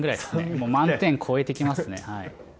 もう、満点超えてきますね。